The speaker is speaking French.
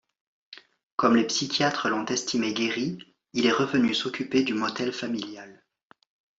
Comme les psychiatres l'ont estimé guéri, il est revenu s'occuper du motel familial.